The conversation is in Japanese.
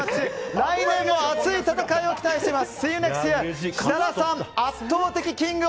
来年も熱い戦いを期待します。